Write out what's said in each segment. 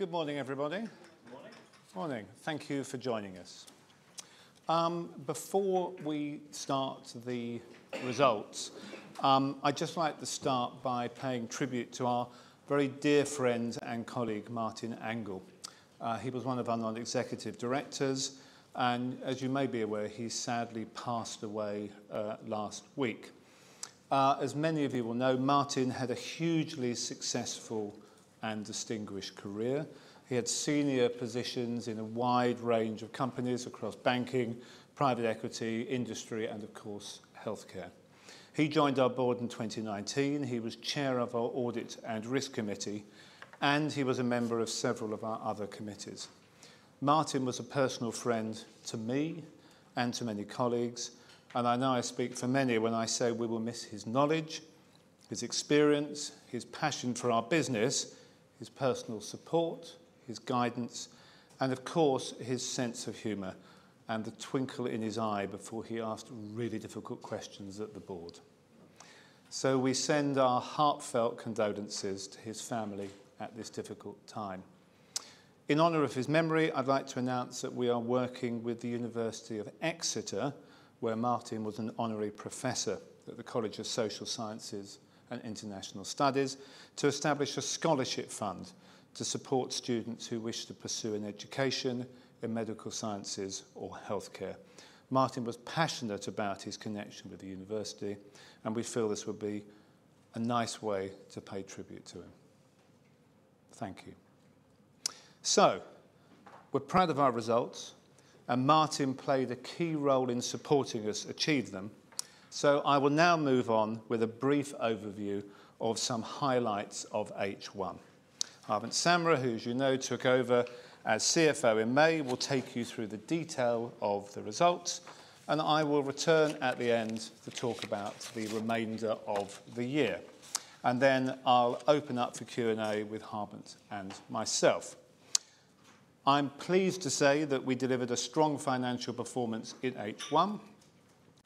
Good morning, everybody. Good morning. Morning. Thank you for joining us. Before we start the results, I'd just like to start by paying tribute to our very dear friend and colleague, Martin Angle. He was one of our non-executive directors, and as you may be aware, he sadly passed away last week. As many of you will know, Martin had a hugely successful and distinguished career. He had senior positions in a wide range of companies across banking, private equity, industry, and of course, healthcare. He joined our board in 2019. He was Chair of our Audit and Risk Committee, and he was a member of several of our other committees. Martin was a personal friend to me and to many colleagues, and I know I speak for many when I say we will miss his knowledge, his experience, his passion for our business, his personal support, his guidance, and of course, his sense of humor and the twinkle in his eye before he asked really difficult questions at the board. So we send our heartfelt condolences to his family at this difficult time. In honor of his memory, I'd like to announce that we are working with the University of Exeter, where Martin was an honorary professor at the College of Social Sciences and International Studies, to establish a scholarship fund to support students who wish to pursue an education in medical sciences or healthcare. Martin was passionate about his connection with the university, and we feel this would be a nice way to pay tribute to him. Thank you. We're proud of our results, and Martin played a key role in supporting us achieve them. I will now move on with a brief overview of some highlights of H1. Harbant Samra, who as you know, took over as CFO in May, will take you through the detail of the results, and I will return at the end to talk about the remainder of the year. Then I'll open up for Q&A with Harbant and myself. I'm pleased to say that we delivered a strong financial performance in H1.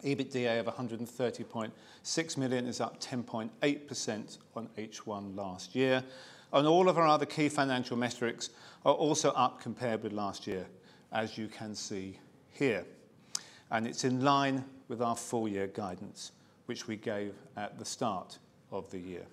EBITDA of 130.6 million is up 10.8% on H1 last year, and all of our other key financial metrics are also up compared with last year, as you can see here, and it's in line with our full year guidance, which we gave at the start of the year.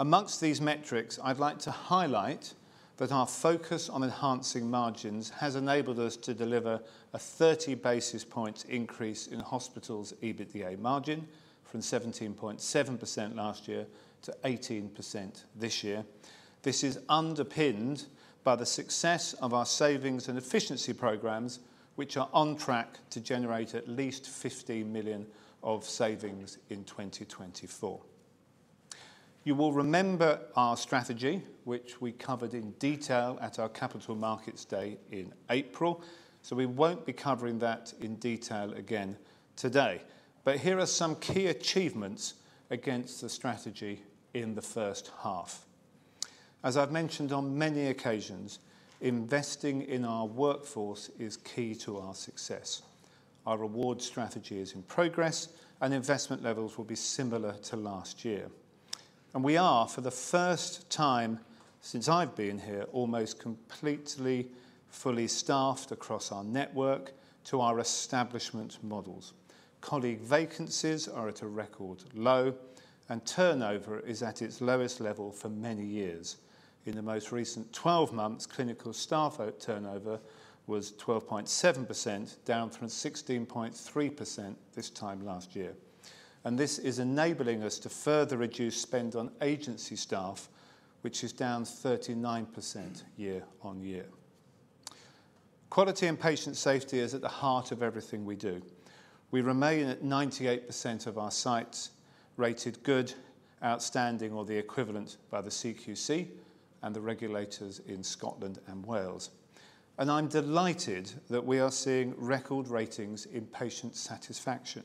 Among these metrics, I'd like to highlight that our focus on enhancing margins has enabled us to deliver a 30 basis point increase in hospitals EBITDA margin from 17.7% last year to 18% this year. This is underpinned by the success of our savings and efficiency programs, which are on track to generate at least 15 million of savings in 2024. You will remember our strategy, which we covered in detail at our Capital Markets Day in April, so we won't be covering that in detail again today. But here are some key achievements against the strategy in the first half. As I've mentioned on many occasions, investing in our workforce is key to our success. Our reward strategy is in progress, and investment levels will be similar to last year. We are, for the first time since I've been here, almost completely fully staffed across our network to our establishment models. Colleague vacancies are at a record low, and turnover is at its lowest level for many years. In the most recent twelve months, clinical staff turnover was 12.7%, down from 16.3% this time last year. This is enabling us to further reduce spend on agency staff, which is down 39% year-on-year. Quality and patient safety is at the heart of everything we do. We remain at 98% of our sites, rated good, outstanding, or the equivalent by the CQC and the regulators in Scotland and Wales. I'm delighted that we are seeing record ratings in patient satisfaction,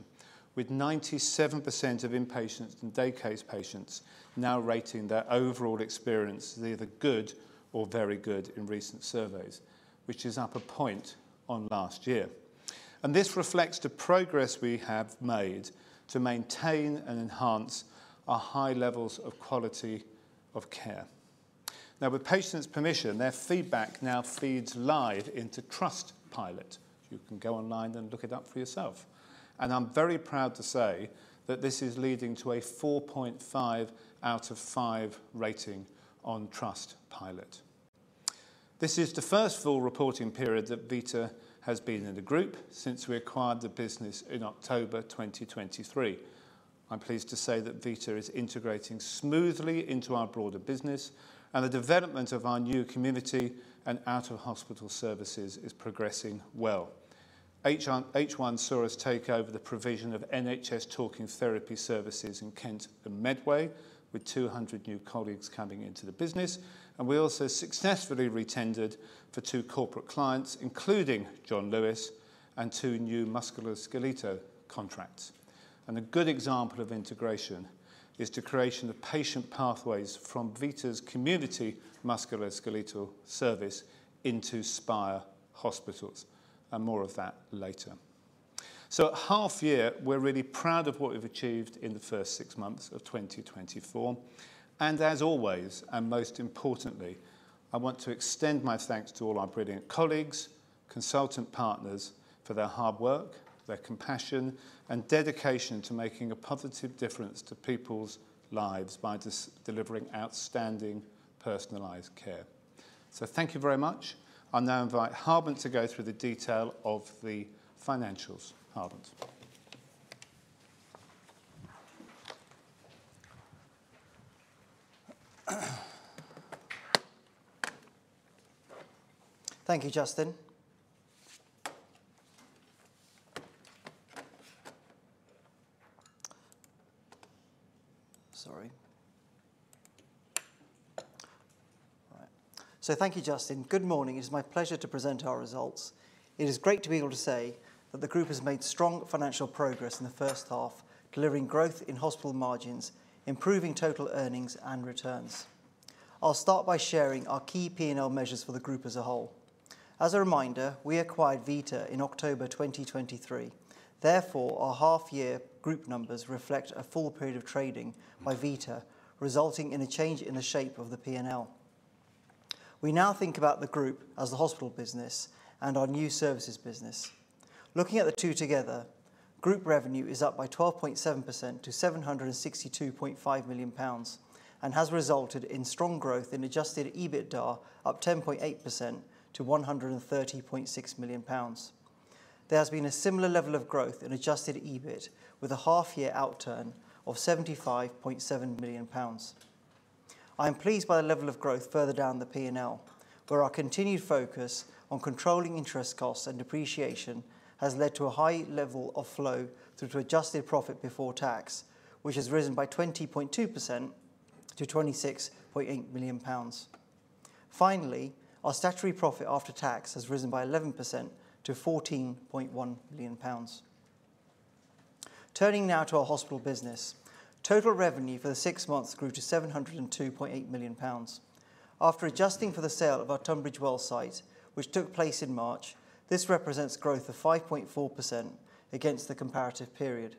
with 97% of inpatients and day case patients now rating their overall experience as either good or very good in recent surveys, which is up a point on last year. This reflects the progress we have made to maintain and enhance our high levels of quality of care. Now, with patients' permission, their feedback now feeds live into Trustpilot. You can go online and look it up for yourself, and I'm very proud to say that this is leading to a 4.5 out of 5 rating on Trustpilot. This is the first full reporting period that Vita has been in the group since we acquired the business in October 2023. I'm pleased to say that Vita is integrating smoothly into our broader business, and the development of our new community and out-of-hospital services is progressing well. H1 saw us take over the provision of NHS talking therapy services in Kent and Medway, with 200 new colleagues coming into the business, and we also successfully retendered for two corporate clients, including John Lewis and two new musculoskeletal contracts. And a good example of integration is the creation of patient pathways from Vita's community musculoskeletal service into Spire Hospitals, and more of that later. So at half year, we're really proud of what we've achieved in the first six months of 2024, and as always, and most importantly, I want to extend my thanks to all our brilliant colleagues, consultant partners, for their hard work, their compassion, and dedication to making a positive difference to people's lives by delivering outstanding personalized care. So thank you very much. I'll now invite Harbant to go through the detail of the financials. Harbant? Thank you, Justin. Sorry. All right, so thank you, Justin. Good morning. It is my pleasure to present our results. It is great to be able to say that the group has made strong financial progress in the first half, delivering growth in hospital margins, improving total earnings and returns. I'll start by sharing our key P&L measures for the group as a whole. As a reminder, we acquired Vita in October 2023. Therefore, our half year group numbers reflect a full period of trading by Vita, resulting in a change in the shape of the P&L. We now think about the group as the hospital business and our new services business. Looking at the two together, group revenue is up by 12.7% to 762.5 million pounds and has resulted in strong growth in Adjusted EBITDA, up 10.8% to 130.6 million pounds. There has been a similar level of growth in adjusted EBIT, with a half-year outturn of 75.7 million pounds. I am pleased by the level of growth further down the P&L, where our continued focus on controlling interest costs and depreciation has led to a high level of flow through to adjusted profit before tax, which has risen by 20.2% to 26.8 million pounds. Finally, our statutory profit after tax has risen by 11% to 14.1 million pounds. Turning now to our hospital business. Total revenue for the six months grew to 702.8 million pounds. After adjusting for the sale of our Tunbridge Wells site, which took place in March, this represents growth of 5.4% against the comparative period.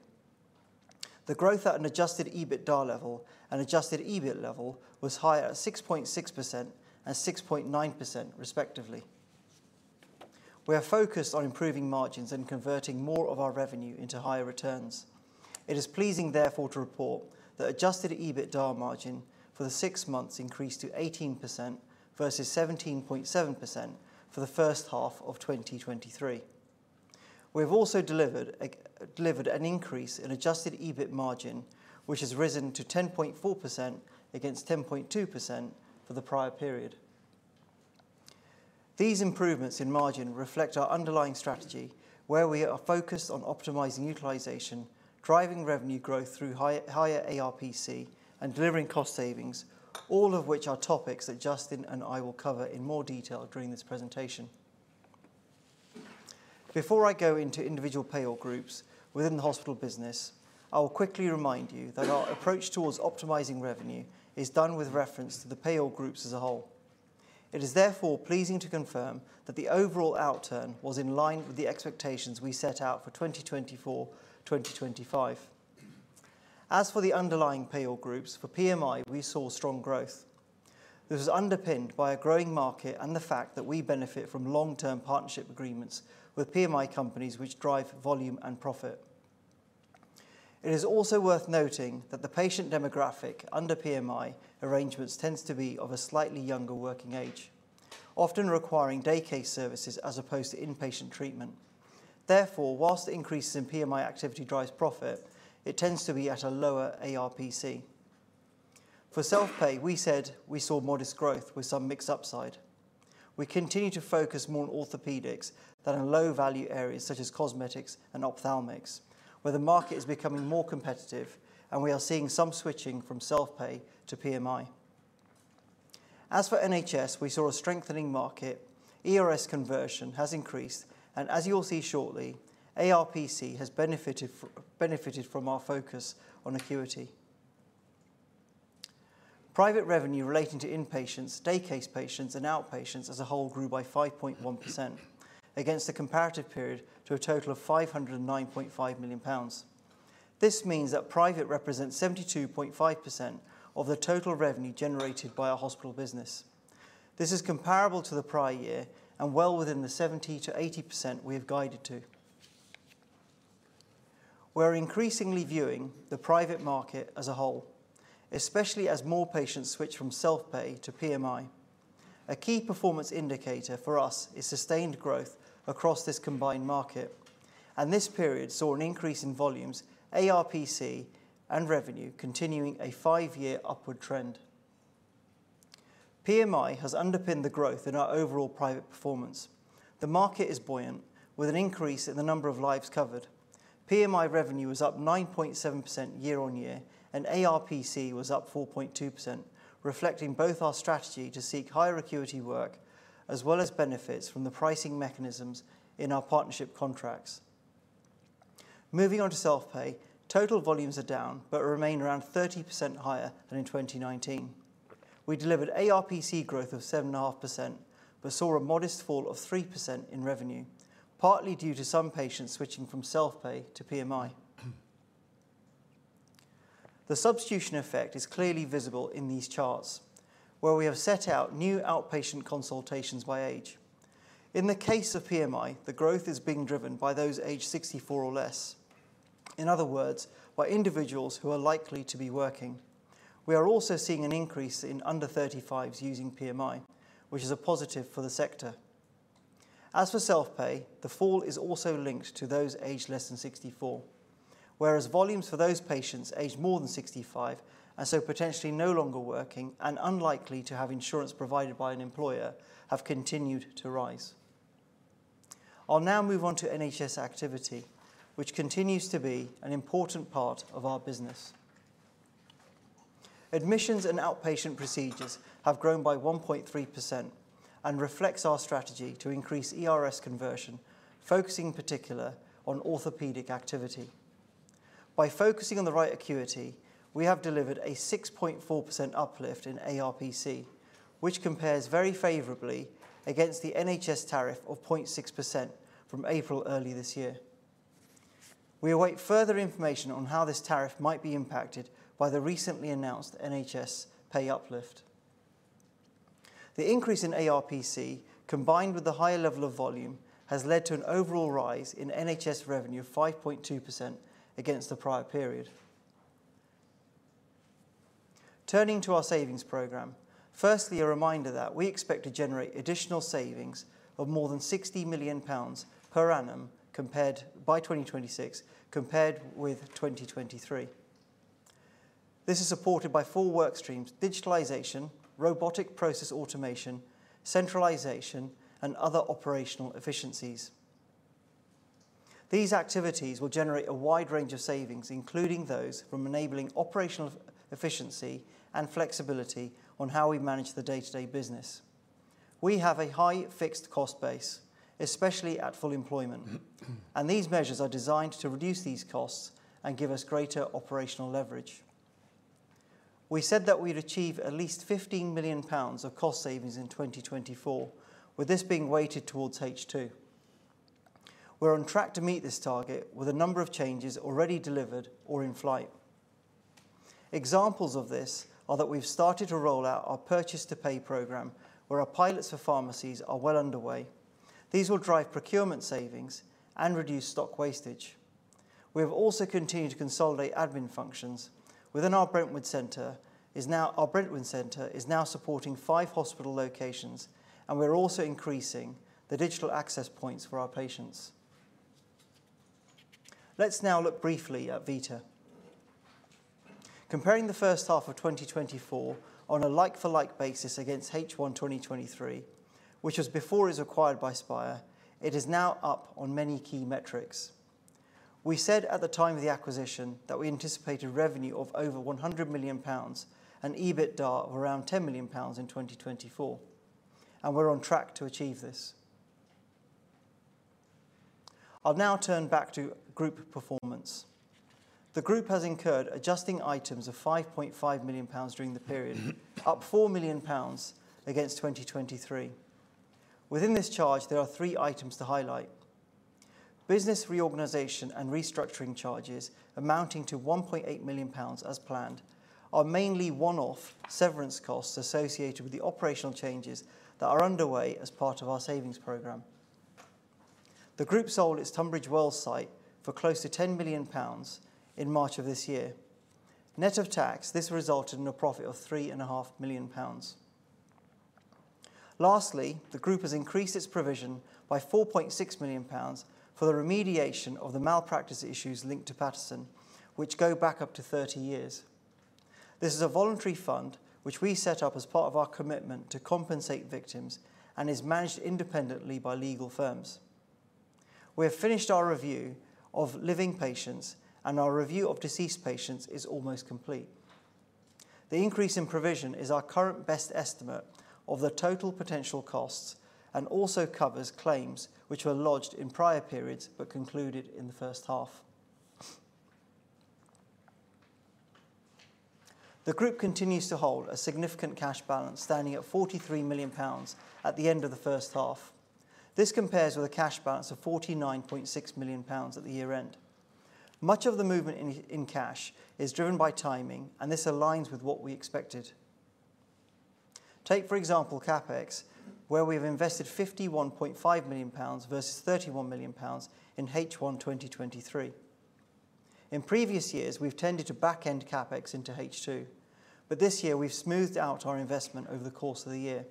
The growth at an Adjusted EBITDA level and adjusted EBIT level was higher at 6.6% and 6.9% respectively. We are focused on improving margins and converting more of our revenue into higher returns. It is pleasing, therefore, to report that Adjusted EBITDA margin for the six months increased to 18% versus 17.7% for the first half of 2023. We've also delivered an increase in adjusted EBIT margin, which has risen to 10.4% against 10.2% for the prior period. These improvements in margin reflect our underlying strategy, where we are focused on optimizing utilization, driving revenue growth through higher ARPC, and delivering cost savings, all of which are topics that Justin and I will cover in more detail during this presentation. Before I go into individual payor groups within the hospital business, I will quickly remind you that our approach towards optimizing revenue is done with reference to the payor groups as a whole. It is therefore pleasing to confirm that the overall outturn was in line with the expectations we set out for 2024, 2025. As for the underlying payor groups, for PMI, we saw strong growth. This is underpinned by a growing market and the fact that we benefit from long-term partnership agreements with PMI companies which drive volume and profit. It is also worth noting that the patient demographic under PMI arrangements tends to be of a slightly younger working age, often requiring day case services as opposed to inpatient treatment. Therefore, while the increases in PMI activity drives profit, it tends to be at a lower ARPC. For self-pay, we said we saw modest growth with some mixed upside. We continue to focus more on orthopedics than in low-value areas such as cosmetics and ophthalmics, where the market is becoming more competitive and we are seeing some switching from self-pay to PMI. As for NHS, we saw a strengthening market. ERS conversion has increased, and as you will see shortly, ARPC has benefited from our focus on acuity. Private revenue relating to inpatients, day case patients, and outpatients as a whole grew by 5.1% against the comparative period to a total of 509.5 million pounds. This means that private represents 72.5% of the total revenue generated by our hospital business. This is comparable to the prior year and well within the 70%-80% we have guided to. We're increasingly viewing the private market as a whole, especially as more patients switch from self-pay to PMI. A key performance indicator for us is sustained growth across this combined market, and this period saw an increase in volumes, ARPC, and revenue continuing a five-year upward trend. PMI has underpinned the growth in our overall private performance. The market is buoyant, with an increase in the number of lives covered. PMI revenue was up 9.7% year-on-year, and ARPC was up 4.2%, reflecting both our strategy to seek higher acuity work, as well as benefits from the pricing mechanisms in our partnership contracts. Moving on to self-pay, total volumes are down but remain around 30% higher than in 2019. We delivered ARPC growth of 7.5%, but saw a modest fall of 3% in revenue, partly due to some patients switching from self-pay to PMI. The substitution effect is clearly visible in these charts, where we have set out new outpatient consultations by age. In the case of PMI, the growth is being driven by those aged 64 or less, in other words, by individuals who are likely to be working. We are also seeing an increase in under 35s using PMI, which is a positive for the sector. As for self-pay, the fall is also linked to those aged less than 64. Whereas volumes for those patients aged more than 65, and so potentially no longer working and unlikely to have insurance provided by an employer, have continued to rise. I'll now move on to NHS activity, which continues to be an important part of our business. Admissions and outpatient procedures have grown by 1.3% and reflects our strategy to increase ERS conversion, focusing in particular on orthopedic activity. By focusing on the right acuity, we have delivered a 6.4% uplift in ARPC, which compares very favorably against the NHS tariff of 0.6% from April earlier this year. We await further information on how this tariff might be impacted by the recently announced NHS pay uplift. The increase in ARPC, combined with the higher level of volume, has led to an overall rise in NHS revenue of 5.2% against the prior period. Turning to our savings program, firstly, a reminder that we expect to generate additional savings of more than 60 million pounds per annum by 2026, compared with 2023. This is supported by four work streams: digitization, robotic process automation, centralization, and other operational efficiencies. These activities will generate a wide range of savings, including those from enabling operational efficiency and flexibility on how we manage the day-to-day business. We have a high fixed cost base, especially at full employment, and these measures are designed to reduce these costs and give us greater operational leverage. We said that we'd achieve at least 15 million pounds of cost savings in 2024, with this being weighted towards H2. We're on track to meet this target with a number of changes already delivered or in flight. Examples of this are that we've started to roll out our purchase to pay program, where our pilots for pharmacies are well underway. These will drive procurement savings and reduce stock wastage. We have also continued to consolidate admin functions. Our Brentwood Center is now supporting five hospital locations, and we're also increasing the digital access points for our patients. Let's now look briefly at Vita. Comparing the first half of 2024 on a like-for-like basis against H1 2023, which was before it was acquired by Spire, it is now up on many key metrics. We said at the time of the acquisition that we anticipated revenue of over 100 million pounds and EBITDA of around 10 million pounds in 2024, and we're on track to achieve this. I'll now turn back to group performance. The group has incurred adjusting items of 5.5 million pounds during the period, up 4 million pounds against 2023. Within this charge, there are three items to highlight. Business reorganization and restructuring charges, amounting to 1.8 million pounds as planned, are mainly one-off severance costs associated with the operational changes that are underway as part of our savings program. The group sold its Tunbridge Wells site for close to 10 million pounds in March of this year. Net of tax, this resulted in a profit of 3.5 million pounds. Lastly, the group has increased its provision by 4.6 million pounds for the remediation of the malpractice issues linked to Paterson, which go back up to 30 years. This is a voluntary fund, which we set up as part of our commitment to compensate victims, and is managed independently by legal firms. We have finished our review of living patients, and our review of deceased patients is almost complete. The increase in provision is our current best estimate of the total potential costs and also covers claims which were lodged in prior periods but concluded in the first half. The group continues to hold a significant cash balance, standing at 43 million pounds at the end of the first half. This compares with a cash balance of 49.6 million pounds at the year-end. Much of the movement in cash is driven by timing, and this aligns with what we expected. Take, for example, CapEx, where we've invested 51.5 million pounds versus 31 million pounds in H1 2023. In previous years, we've tended to back-end CapEx into H2, but this year we've smoothed out our investment over the course of the year.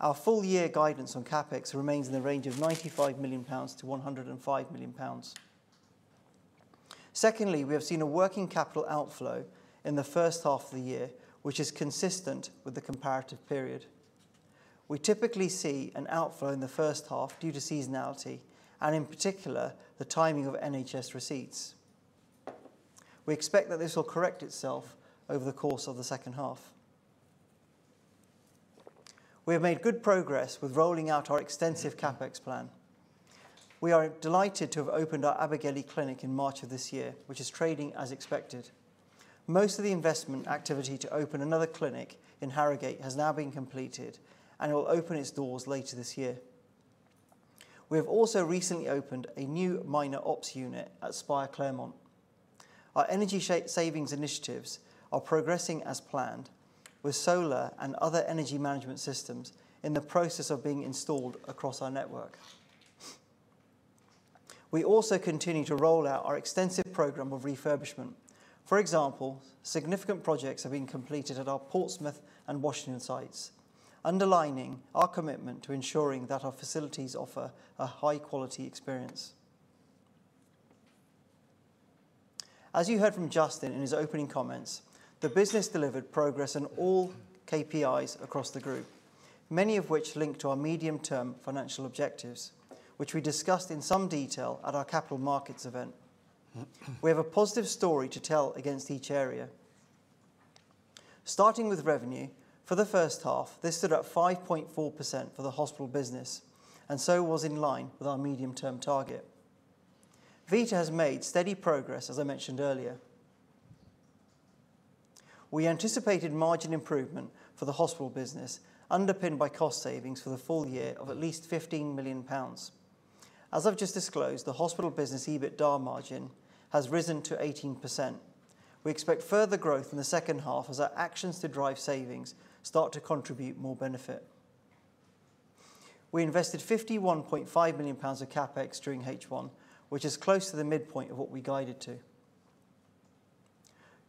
Our full-year guidance on CapEx remains in the range of 95 million-105 million pounds. Secondly, we have seen a working capital outflow in the first half of the year, which is consistent with the comparative period. We typically see an outflow in the first half due to seasonality, and in particular, the timing of NHS receipts. We expect that this will correct itself over the course of the second half. We have made good progress with rolling out our extensive CapEx plan. We are delighted to have opened our Abergele clinic in March of this year, which is trading as expected. Most of the investment activity to open another clinic in Harrogate has now been completed and will open its doors later this year. We have also recently opened a new minor ops unit at Spire Claremont. Our energy cost-savings initiatives are progressing as planned, with solar and other energy management systems in the process of being installed across our network. We also continue to roll out our extensive program of refurbishment. For example, significant projects have been completed at our Portsmouth and Washington sites, underlining our commitment to ensuring that our facilities offer a high-quality experience. As you heard from Justin in his opening comments, the business delivered progress in all KPIs across the group, many of which link to our medium-term financial objectives, which we discussed in some detail at our capital markets event. We have a positive story to tell against each area. Starting with revenue, for the first half, this stood at 5.4% for the hospital business, and so was in line with our medium-term target. Vita has made steady progress, as I mentioned earlier. We anticipated margin improvement for the hospital business, underpinned by cost savings for the full year of at least 15 million pounds. As I've just disclosed, the hospital business EBITDA margin has risen to 18%. We expect further growth in the second half as our actions to drive savings start to contribute more benefit. We invested 51.5 million pounds of CapEx during H1, which is close to the midpoint of what we guided to.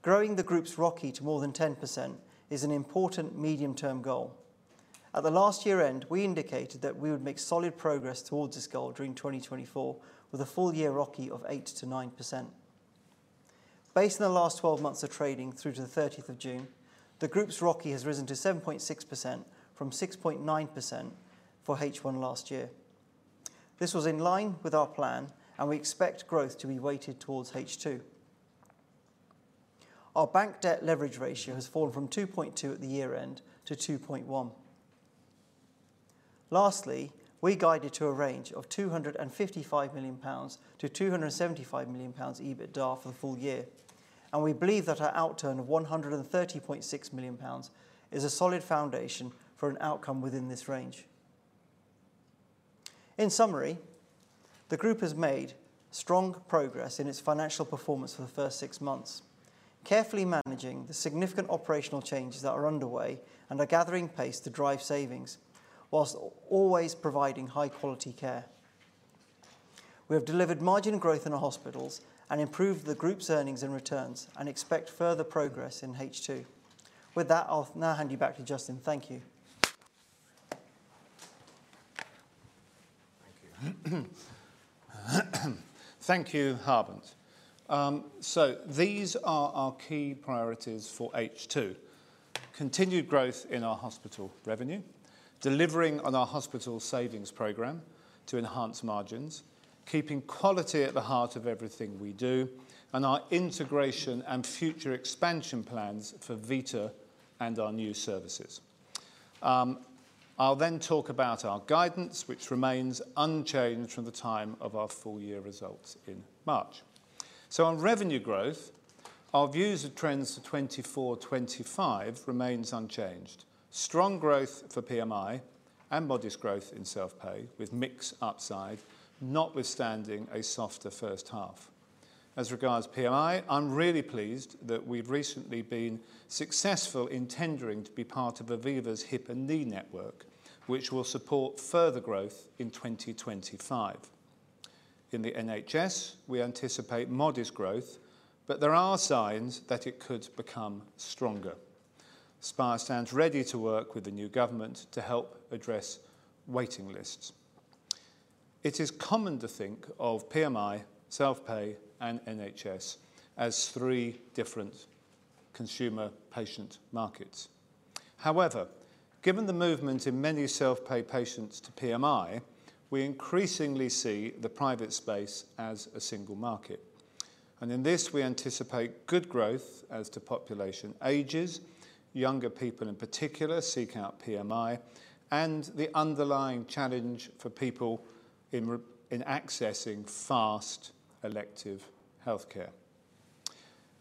Growing the group's ROCE to more than 10% is an important medium-term goal. At the last year-end, we indicated that we would make solid progress towards this goal during 2024, with a full-year ROCE of 8%-9%. Based on the last 12 months of trading through to the thirtieth of June, the group's ROCE has risen to 7.6% from 6.9% for H1 last year. This was in line with our plan, and we expect growth to be weighted towards H2. Our bank debt leverage ratio has fallen from 2.2 at the year-end to 2.1. Lastly, we guided to a range of 255 million-275 million pounds EBITDA for the full year, and we believe that our outturn of 130.6 million pounds is a solid foundation for an outcome within this range. In summary, the group has made strong progress in its financial performance for the first six months, carefully managing the significant operational changes that are underway and are gathering pace to drive savings, while always providing high-quality care. We have delivered margin growth in our hospitals and improved the group's earnings and returns, and expect further progress in H2. With that, I'll now hand you back to Justin. Thank you. Thank you. Thank you, Harbant. So these are our key priorities for H2: continued growth in our hospital revenue, delivering on our hospital savings program to enhance margins, keeping quality at the heart of everything we do, and our integration and future expansion plans for Vita and our new services. I'll then talk about our guidance, which remains unchanged from the time of our full-year results in March. So on revenue growth, our views of trends for 2024, 2025 remains unchanged. Strong growth for PMI and modest growth in self-pay, with mix upside, notwithstanding a softer first half. As regards PMI, I'm really pleased that we've recently been successful in tendering to be part of Aviva's hip and knee network, which will support further growth in 2025. In the NHS, we anticipate modest growth, but there are signs that it could become stronger. Spire stands ready to work with the new government to help address waiting lists. It is common to think of PMI, self-pay, and NHS as three different consumer patient markets. However, given the movement in many self-pay patients to PMI, we increasingly see the private space as a single market, and in this we anticipate good growth as the population ages, younger people in particular seeking out PMI, and the underlying challenge for people in accessing fast elective healthcare,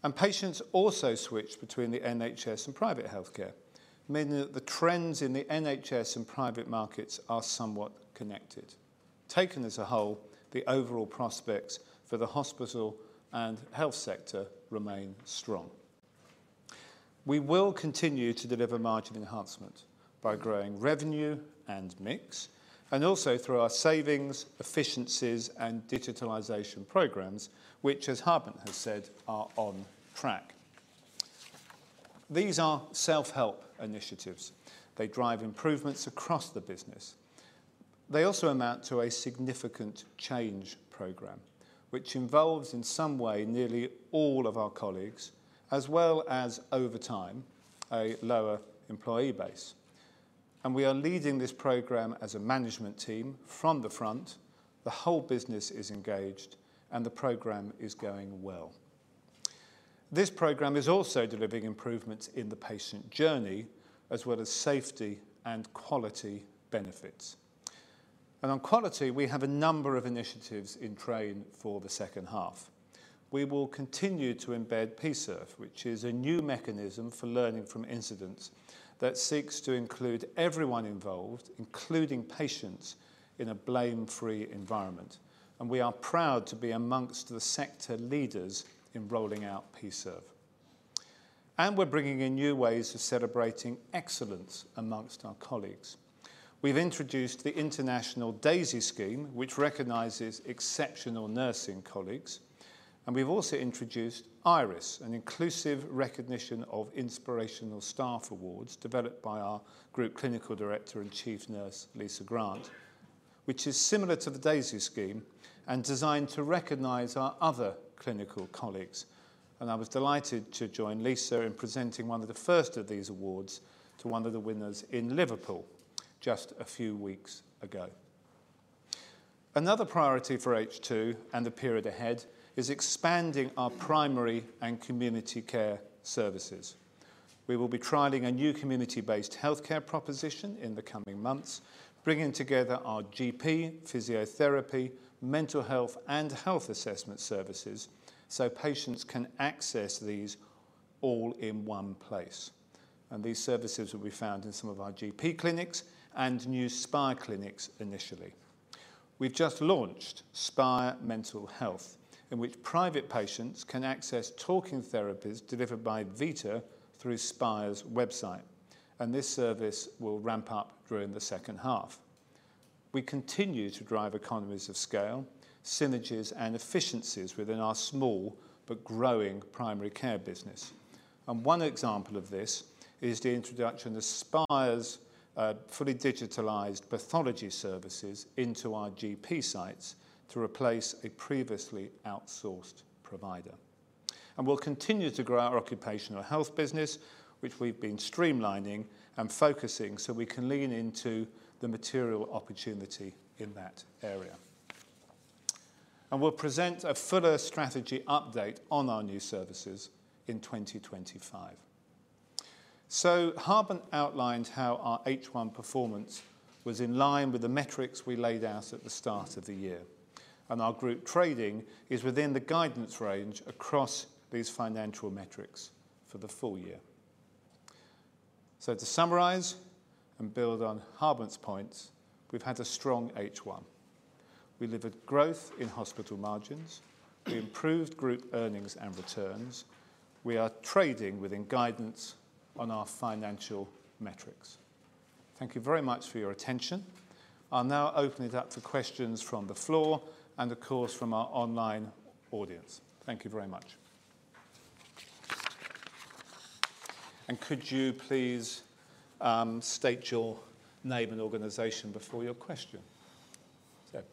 and patients also switch between the NHS and private healthcare, meaning that the trends in the NHS and private markets are somewhat connected. Taken as a whole, the overall prospects for the hospital and health sector remain strong. We will continue to deliver margin enhancement by growing revenue and mix, and also through our savings, efficiencies, and digitalization programs, which, as Harbant has said, are on track. These are self-help initiatives. They drive improvements across the business. They also amount to a significant change program, which involves, in some way, nearly all of our colleagues, as well as, over time, a lower employee base, and we are leading this program as a management team from the front. The whole business is engaged, and the program is going well. This program is also delivering improvements in the patient journey, as well as safety and quality benefits. And on quality, we have a number of initiatives in train for the second half. We will continue to embed PSIRF, which is a new mechanism for learning from incidents, that seeks to include everyone involved, including patients, in a blame-free environment, and we are proud to be among the sector leaders in rolling out PSIRF. And we're bringing in new ways of celebrating excellence among our colleagues. We've introduced the International DAISY Scheme, which recognizes exceptional nursing colleagues, and we've also introduced IRIS, an Inclusive Recognition of Inspirational Staff awards, developed by our Group Clinical Director and Chief Nurse, Lisa Grant, which is similar to the DAISY scheme and designed to recognize our other clinical colleagues, and I was delighted to join Lisa in presenting one of the first of these awards to one of the winners in Liverpool just a few weeks ago. Another priority for H2 and the period ahead is expanding our primary and community care services. We will be trialing a new community-based healthcare proposition in the coming months, bringing together our GP, physiotherapy, mental health, and health assessment services, so patients can access these all in one place, and these services will be found in some of our GP clinics and new Spire clinics initially. We've just launched Spire Mental Health, in which private patients can access talking therapies delivered by Vita through Spire's website, and this service will ramp up during the second half. We continue to drive economies of scale, synergies, and efficiencies within our small but growing primary care business. And one example of this is the introduction of Spire's fully digitalized pathology services into our GP sites to replace a previously outsourced provider. And we'll continue to grow our occupational health business, which we've been streamlining and focusing so we can lean into the material opportunity in that area. And we'll present a fuller strategy update on our new services in 2025. So Harbant outlined how our H1 performance was in line with the metrics we laid out at the start of the year, and our group trading is within the guidance range across these financial metrics for the full year. So to summarize and build on Harbant's points, we've had a strong H1. We delivered growth in hospital margins. We improved group earnings and returns. We are trading within guidance on our financial metrics. Thank you very much for your attention. I'll now open it up to questions from the floor and, of course, from our online audience. Thank you very much. And could you please state your name and organization before your question? Seb.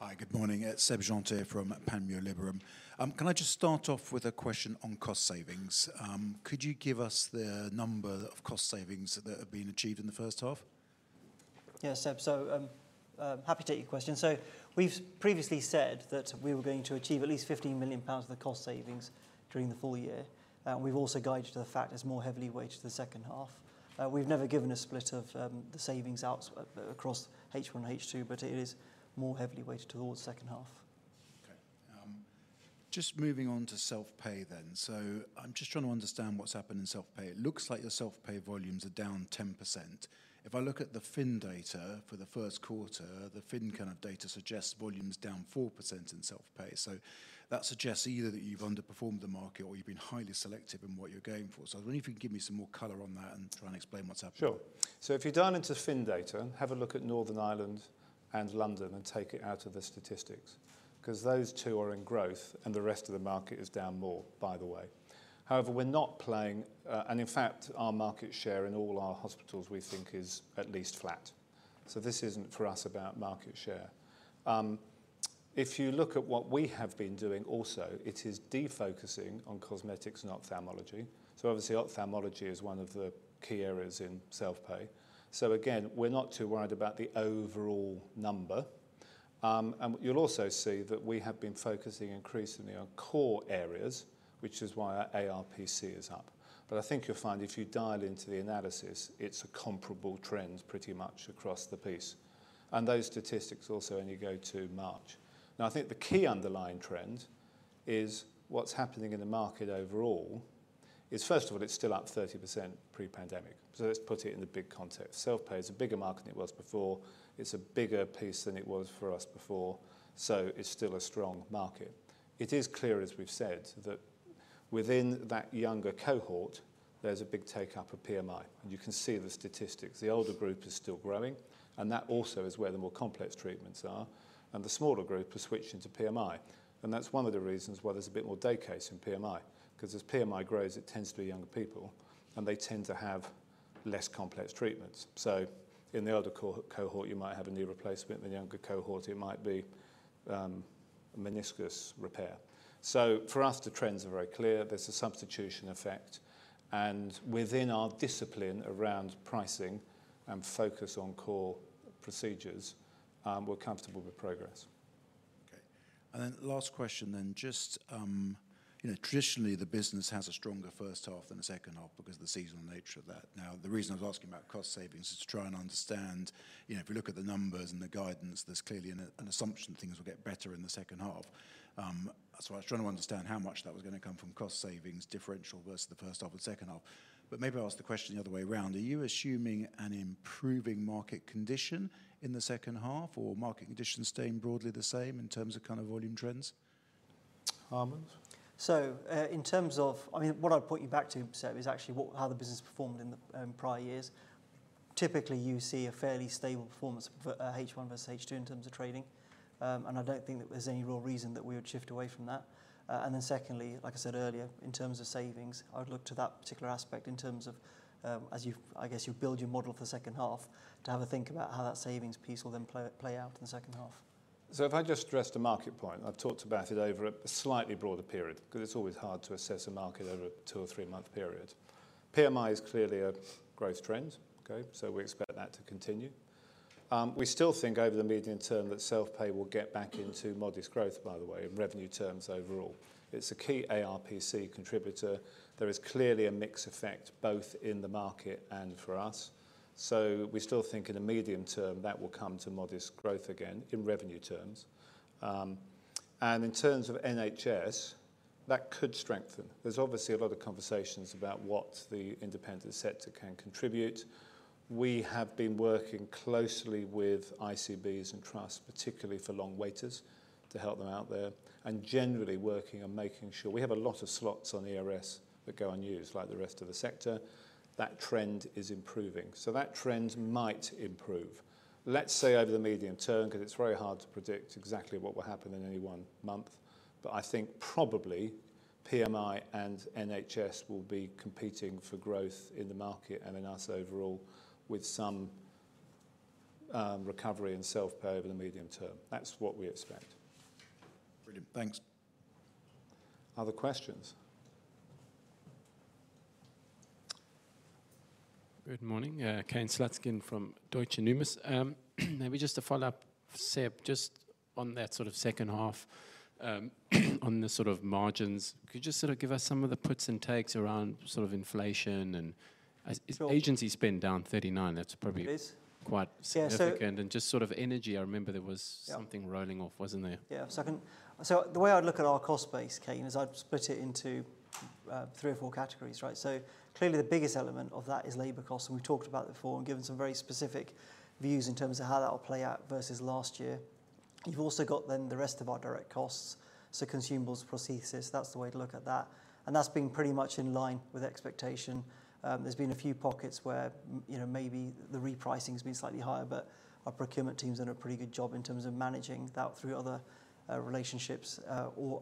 Hi, good morning. It's Seb Jantet from Panmure Liberum. Can I just start off with a question on cost savings? Could you give us the number of cost savings that have been achieved in the first half? Yes, Seb. So, happy to take your question. So we've previously said that we were going to achieve at least 50 million pounds of the cost savings during the full year. We've also guided to the fact it's more heavily weighted to the second half. We've never given a split of the savings out across H1 and H2, but it is more heavily weighted towards the second half. Okay. Just moving on to self-pay then. So I'm just trying to understand what's happened in self-pay. It looks like your self-pay volumes are down 10%. If I look at the PHIN data for the first quarter, the PHIN kind of data suggests volume is down 4% in self-pay. So that suggests either that you've underperformed the market or you've been highly selective in what you're going for. So I wonder if you can give me some more color on that and try and explain what's happened. Sure. So if you dive into PHIN data, have a look at Northern Ireland and London and take it out of the statistics, 'cause those two are in growth, and the rest of the market is down more, by the way. However, we're not playing, and in fact, our market share in all our hospitals, we think, is at least flat. So this isn't, for us, about market share. If you look at what we have been doing also, it is defocusing on cosmetics and ophthalmology. So obviously, ophthalmology is one of the key areas in self-pay. So again, we're not too worried about the overall number. And you'll also see that we have been focusing increasingly on core areas, which is why our ARPC is up. But I think you'll find if you dial into the analysis, it's a comparable trend pretty much across the piece, and those statistics also only go to March. Now, I think the key underlying trend is what's happening in the market overall is, first of all, it's still up 30% pre-pandemic. So let's put it in the big context. Self-pay is a bigger market than it was before. It's a bigger piece than it was for us before, so it's still a strong market. It is clear, as we've said, that within that younger cohort, there's a big take-up of PMI, and you can see the statistics. The older group is still growing, and that also is where the more complex treatments are, and the smaller group are switching to PMI. And that's one of the reasons why there's a bit more day case in PMI, 'cause as PMI grows, it tends to be younger people, and they tend to have less complex treatments. So in the older cohort, you might have a knee replacement. In the younger cohort, it might be a meniscus repair. So for us, the trends are very clear. There's a substitution effect and within our discipline around pricing and focus on core procedures, we're comfortable with progress. Okay. And then last question then, just, you know, traditionally, the business has a stronger first half than the second half because of the seasonal nature of that. Now, the reason I was asking about cost savings is to try and understand, you know, if you look at the numbers and the guidance, there's clearly an assumption things will get better in the second half. So I was trying to understand how much that was gonna come from cost savings differential versus the first half and second half. But maybe I'll ask the question the other way around. Are you assuming an improving market condition in the second half, or market conditions staying broadly the same in terms of kind of volume trends? Harbant? So, in terms of, I mean, what I'd point you back to, Seb, is actually how the business performed in the prior years. Typically, you see a fairly stable performance for H1 versus H2 in terms of trading, and I don't think that there's any real reason that we would shift away from that, and then secondly, like I said earlier, in terms of savings, I would look to that particular aspect in terms of, as you, I guess, build your model for the second half, to have a think about how that savings piece will then play out in the second half. So if I just address the market point, I've talked about it over a slightly broader period, 'cause it's always hard to assess a market over a two- or three-month period. PMI is clearly a growth trend, okay? So we expect that to continue. We still think over the medium term that self-pay will get back into modest growth, by the way, in revenue terms overall. It's a key ARPC contributor. There is clearly a mix effect both in the market and for us, so we still think in the medium term that will come to modest growth again in revenue terms. And in terms of NHS, that could strengthen. There's obviously a lot of conversations about what the independent sector can contribute. We have been working closely with ICBs and trusts, particularly for long waiters, to help them out there, and generally working on making sure. We have a lot of slots on the ERS that go unused, like the rest of the sector. That trend is improving, so that trend might improve, let's say, over the medium term, 'cause it's very hard to predict exactly what will happen in any one month, but I think probably PMI and NHS will be competing for growth in the market and in us overall, with some recovery in self-pay over the medium term. That's what we expect. Brilliant. Thanks. Other questions? Good morning, Kane Slutzkin from Deutsche Numis. Maybe just to follow up, Seb, just on that sort of second half, on the sort of margins, could you just sort of give us some of the puts and takes around sort of inflation and as agency spend down 39, that's probably quite significant. And just sort of energy, I remember there was something rolling off, wasn't there? Yeah, so the way I'd look at our cost base, Kane, is I'd split it into three or four categories, right? So clearly, the biggest element of that is labor costs, and we talked about that before and given some very specific views in terms of how that will play out versus last year. You've also got then the rest of our direct costs, so consumables, prosthesis, that's the way to look at that, and that's been pretty much in line with expectation. There's been a few pockets where, you know, maybe the repricing has been slightly higher, but our procurement team's done a pretty good job in terms of managing that through other relationships or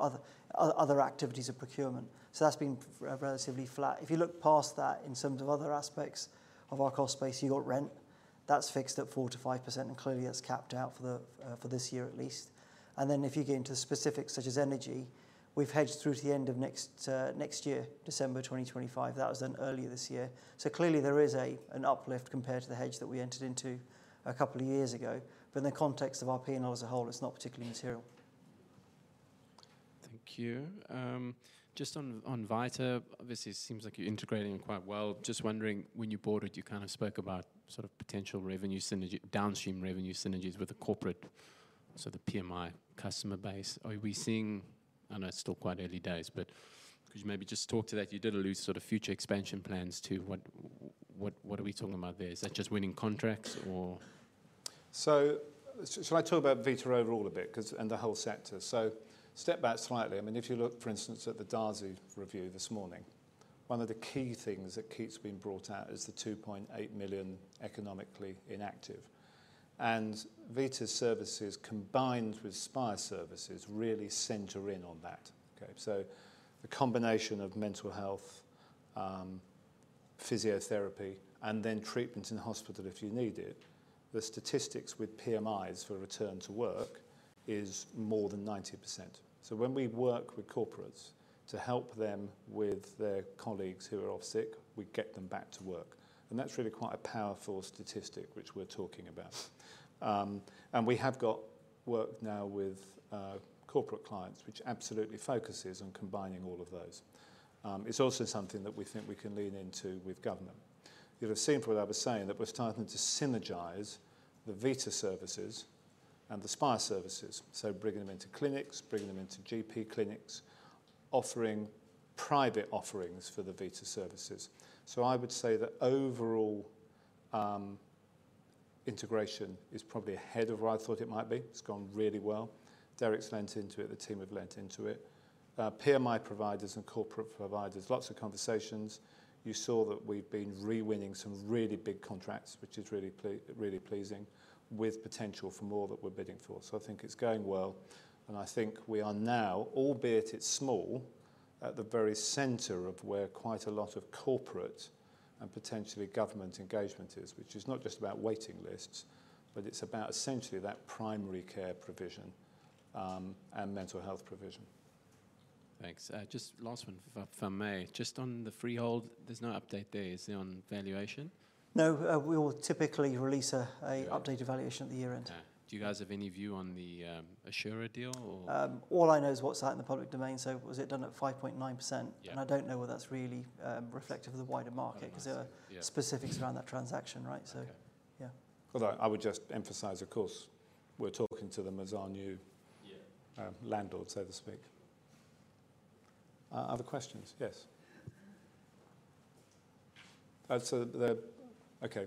other activities of procurement. So that's been relatively flat. If you look past that in some of other aspects of our cost base, you've got rent. That's fixed at 4-5%, and clearly, that's capped out for the for this year at least. And then, if you get into the specifics, such as energy, we've hedged through to the end of next next year, December 2025. That was done earlier this year. So clearly, there is an uplift compared to the hedge that we entered into a couple of years ago. But in the context of our P&L as a whole, it's not particularly material. Thank you. Just on Vita, obviously, it seems like you're integrating quite well. Just wondering, when you bought it, you kind of spoke about sort of potential revenue synergy, downstream revenue synergies with the corporate, so the PMI customer base. Are we seeing? I know it's still quite early days, but could you maybe just talk to that? You did allude sort of future expansion plans, too. What are we talking about there? Is that just winning contracts or? So, shall I talk about Vita overall a bit, 'cause, and the whole sector? So step back slightly. I mean, if you look, for instance, at the Darzi review this morning, one of the key things that keeps being brought out is the two point eight million economically inactive. And Vita services, combined with Spire services, really center in on that, okay? So the combination of mental health, physiotherapy, and then treatment in the hospital if you need it, the statistics with PMIs for return to work is more than 90%. So when we work with corporates to help them with their colleagues who are off sick, we get them back to work, and that's really quite a powerful statistic, which we're talking about, and we have got work now with corporate clients, which absolutely focuses on combining all of those. It's also something that we think we can lean into with government. You'll have seen from what I was saying that we're starting to synergize the Vita services and the Spire services, bringing them into clinics, bringing them into GP clinics, offering private offerings for the Vita services, so I would say that overall integration is probably ahead of where I thought it might be. It's gone really well. Derrick's leaned into it, the team have leaned into it. PMI providers and corporate providers, lots of conversations. You saw that we've been re-winning some really big contracts, which is really pleasing, with potential for more that we're bidding for. So I think it's going well, and I think we are now, albeit it's small, at the very center of where quite a lot of corporate and potentially government engagement is, which is not just about waiting lists, but it's about essentially that primary care provision, and mental health provision. Thanks. Just last one for, from me. Just on the freehold, there's no update there, is there, on valuation? No, we will typically release an updated valuation at the year end. Do you guys have any view on the Assura deal or? All I know is what's out in the public domain, so was it done at 5.9%? Yeah. And I don't know whether that's really reflective of the wider market cause there are specifics around that transaction, right? So yeah. Although I would just emphasize, of course, we're talking to them as our new landlord, so to speak. Other questions? Yes. Okay.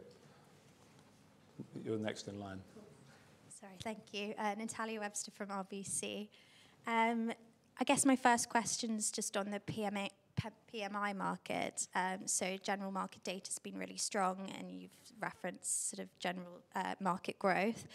You're next in line. Sorry. Thank you. Natalia Webster from RBC. I guess my first question's just on the PMI market. So general market data's been really strong, and you've referenced sort of general market growth.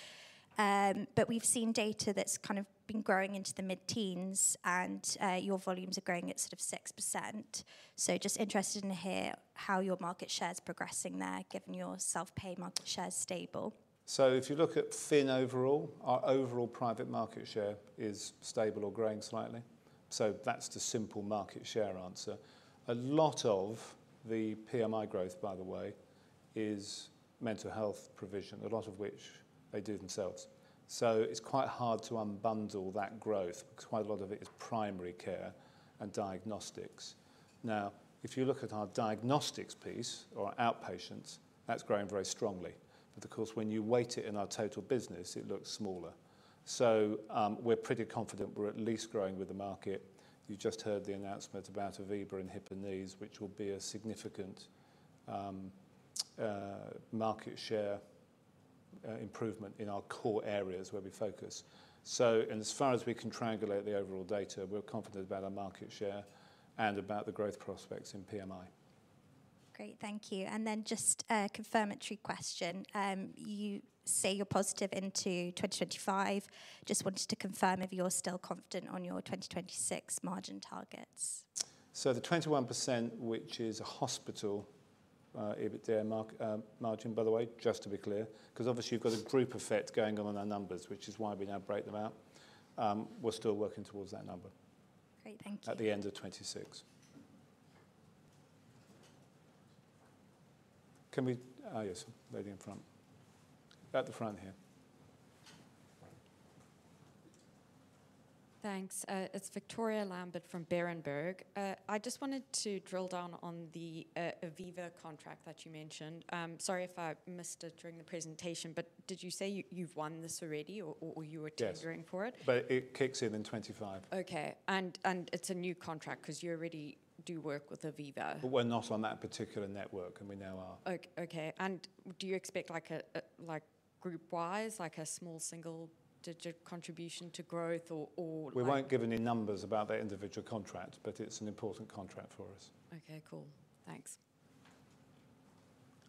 But we've seen data that's kind of been growing into the mid-teens, and your volumes are growing at sort of 6%. So just interested to hear how your market share is progressing there, given your self-pay market share is stable. So if you look at PHIN overall, our overall private market share is stable or growing slightly. So that's the simple market share answer. A lot of the PMI growth, by the way, is mental health provision, a lot of which they do themselves. So it's quite hard to unbundle that growth because quite a lot of it is primary care and diagnostics. Now, if you look at our diagnostics piece or our outpatients, that's growing very strongly. But of course, when you weight it in our total business, it looks smaller. So, we're pretty confident we're at least growing with the market. You just heard the announcement about Aviva and hip and knee, which will be a significant, market share, improvement in our core areas where we focus. So as far as we can triangulate the overall data, we're confident about our market share and about the growth prospects in PMI. Great, thank you. And then just a confirmatory question. You say you're positive into 2025. Just wanted to confirm if you're still confident on your 2026 margin targets. The 21%, which is a hospital EBITDA margin, by the way, just to be clear, because obviously you've got a group effect going on in our numbers, which is why we now break them out. We're still working towards that number at the end of 2026. Great, thank you. Can we, yes, lady in front. At the front here. Thanks. It's Victoria Lambert from Berenberg. I just wanted to drill down on the Aviva contract that you mentioned. Sorry if I missed it during the presentation, but did you say you've won this already, or you were tendering for it? But it kicks in in 2025. Okay. And it's a new contract because you already do work with Aviva. But we're not on that particular network, and we now are. Okay. And do you expect, like, a group-wide, like, a small single-digit contribution to growth or, like? We won't give any numbers about that individual contract, but it's an important contract for us. Okay, cool. Thanks.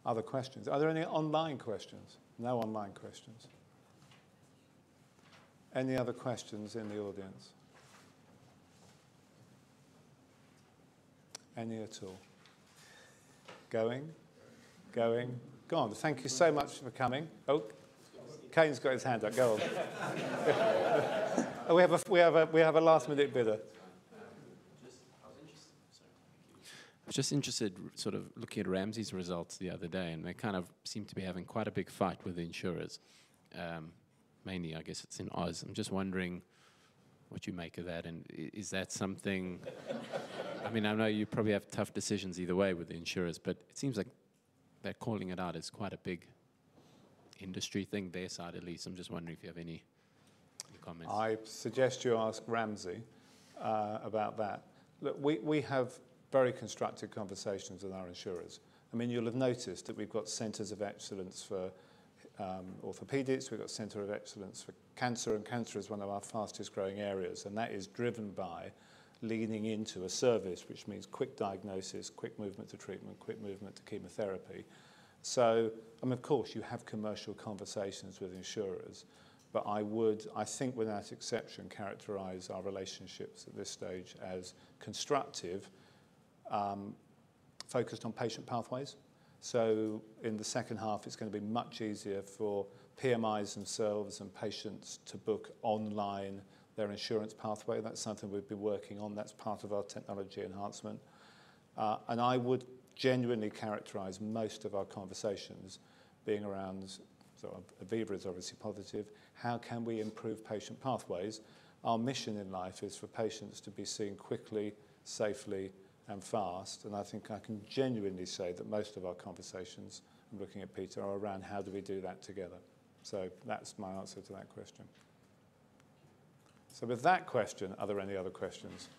Other questions? Are there any online questions? No online questions. Any other questions in the audience? Any at all? Going, going, gone. Thank you so much for coming. Oh, Kane's got his hand up. Go on. We have a last-minute bidder. Just, I was interested. Sorry. I was just interested, sort of looking at Ramsay's results the other day, and they kind of seem to be having quite a big fight with the insurers. Mainly, I guess it's in Oz. I'm just wondering what you make of that, and is that something. I mean, I know you probably have tough decisions either way with the insurers, but it seems like they're calling it out. It's quite a big industry thing, their side at least. I'm just wondering if you have any comments. I suggest you ask Ramsay about that. Look, we have very constructive conversations with our insurers. I mean, you'll have noticed that we've got centers of excellence for orthopedics, we've got a center of excellence for cancer, and cancer is one of our fastest-growing areas, and that is driven by leaning into a service, which means quick diagnosis, quick movement to treatment, quick movement to chemotherapy. So, I mean, of course, you have commercial conversations with insurers, but I would, I think, without exception, characterize our relationships at this stage as constructive, focused on patient pathways. So in the second half, it's gonna be much easier for PMIs themselves and patients to book online their insurance pathway. That's something we've been working on. That's part of our technology enhancement. And I would genuinely characterize most of our conversations being around. So Aviva is obviously positive. How can we improve patient pathways? Our mission in life is for patients to be seen quickly, safely, and fast, and I think I can genuinely say that most of our conversations, I'm looking at Peter, are around how do we do that together. That's my answer to that question. With that question, are there any other questions?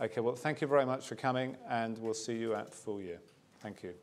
Okay, well, thank you very much for coming, and we'll see you at full year. Thank you.